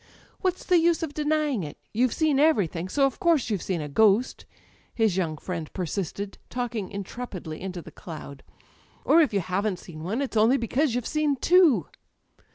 "What's the use of denying it? You've seen every thing, so of course you've seen a ghost!" his young friend persisted, talking intrepidly into the cloud. "Or, if you haven't seen one, it's only because you've seen two!"